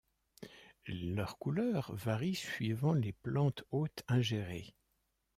Leur couleur varie suivant les plantes hôtes ingérées.